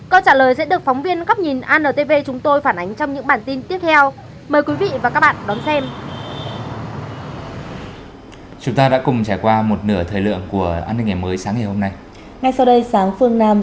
câu trả lời sẽ được phóng viên góc nhìn antv chúng tôi phản ánh trong những bản tin tiếp theo